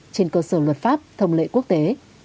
trên cơ sở luật pháp thông lệ quốc tế